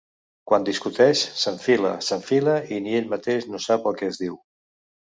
Quan discuteix, s'enfila, s'enfila, i ni ell mateix no sap el que es diu.